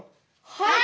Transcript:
はい！